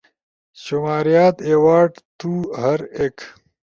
شماریات، ایوارڈ، تُو، ہر ایک